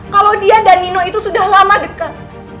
kalau dia dan nino itu sudah lama dekat